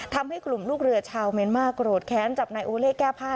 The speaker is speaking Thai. ทำให้กลุ่มลูกเรือชาวเมียนมาร์โกรธแค้นจับนายโอเล่แก้ผ้า